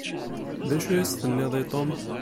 D acu i as-tenniḍ i Tom?